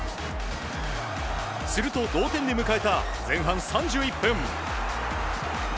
すると同点で迎えた前半３１分。